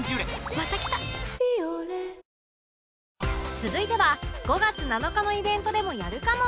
続いては５月７日のイベントでもやるかも？